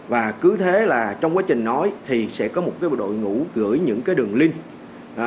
và cứ thế là trong quá trình nói thì sẽ có một cái đội ngũ gửi những cái đường link